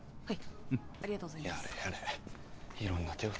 はい！